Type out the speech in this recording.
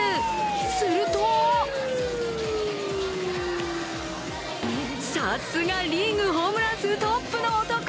するとさすがリーグホームラン数トップの男。